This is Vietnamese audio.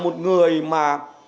một người mà